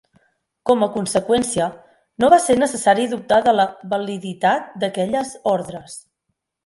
Com a conseqüència, no va ser necessari dubtar de la validitat d'aquelles ordres.